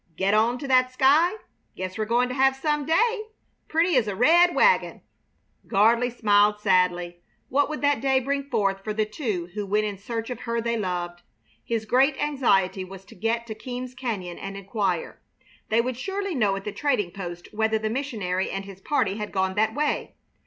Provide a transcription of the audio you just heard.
Get on to that sky? Guess we're going to have some day! Pretty as a red wagon!" Gardley smiled sadly. What would that day bring forth for the two who went in search of her they loved? His great anxiety was to get to Keams Cañon and inquire. They would surely know at the trading post whether the missionary and his party had gone that way.